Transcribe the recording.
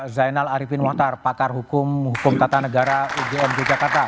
zainal arifin watar pakar hukum hukum kata negara ugm jakarta